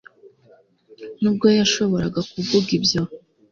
ntabwo yashoboraga kuvuga ibyo